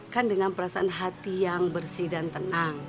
kan dengan perasaan hati yang bersih dan tenang